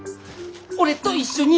俺と一緒に。